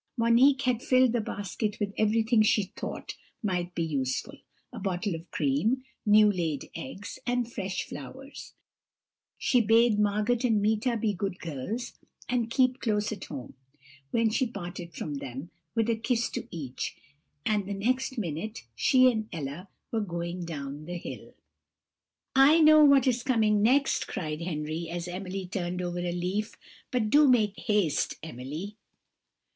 Monique had filled the basket with everything she thought might be useful a bottle of cream, new laid eggs, and fresh flowers. She bade Margot and Meeta be good girls, and keep close at home, when she parted from them, with a kiss to each; and the next minute she and Ella were going down the hill." "I know what is coming next," cried Henry, as Emily turned over a leaf; "but do make haste, Emily."